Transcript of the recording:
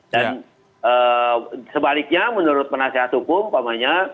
dan sebaliknya menurut penasihat hukum umpamanya